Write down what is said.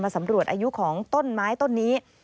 สำรวจอายุของต้นไม้ต้นนี้